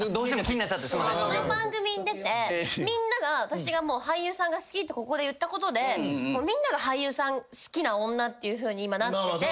この番組に出てみんなが私が俳優さんが好きってここで言ったことでみんなが。っていうふうに今なってて。